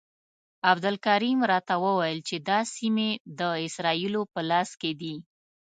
عبدالکریم راته وویل چې دا سیمې د اسرائیلو په لاس کې دي.